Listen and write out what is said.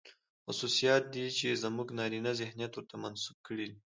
خصوصيتونه دي، چې زموږ نارينه ذهنيت ورته منسوب کړي دي.